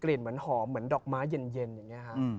กลิ่นเหมือนหอมเหมือนดอกม้าเย็นอย่างนี้ครับ